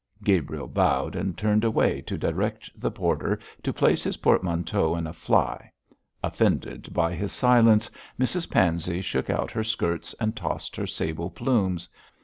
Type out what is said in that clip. Gabriel bowed, and turned away to direct the porter to place his portmanteau in a fly. Offended by his silence, Mrs Pansey shook out her skirts and tossed her sable plumes.